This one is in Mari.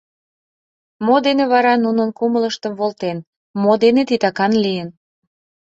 Мо дене вара нунын кумылыштым волтен, мо дене титакан лийын?